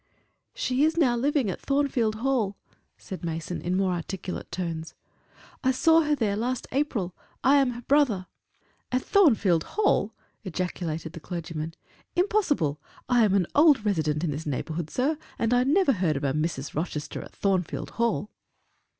"She is now living at Thornfield Hall," said Mason, in more articulate tones. "I saw her there last April. I am her brother." "At Thornfield Hall!" ejaculated the clergyman. "Impossible! I am an old resident in this neighborhood, sir, and I never heard of a Mrs. Rochester at Thornfield Hall."